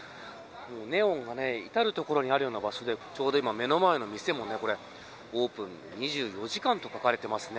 ネオンが至る所にあるような場所でちょうど今、目の前の店もオープン２４時間と書かれてますね。